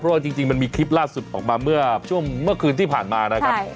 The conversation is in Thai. เพราะว่าจริงมันมีคลิปล่าสุดออกมาเมื่อช่วงเมื่อคืนที่ผ่านมานะครับ